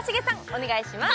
お願いします